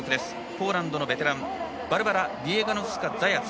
ポーランドのベテランバルバラ・ビエガノフスカザヤツ。